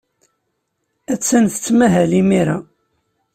Attan tettmahal imir-a.